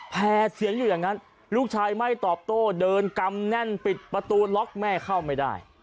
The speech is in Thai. แผลเสียงอยู่อย่างนั้นลูกชายไม่ตอบโต้เดินกำแน่นปิดประตูล็อกแม่เข้าไม่ได้